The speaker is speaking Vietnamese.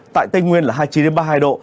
tại tây nguyên là hai mươi chín ba mươi hai độ